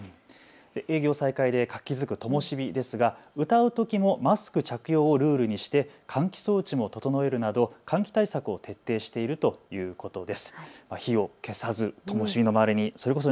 営業再開で活気づくともしびですが歌うときもマスク着用をルールにして換気装置も整えるなど換気対策を徹底しているということです。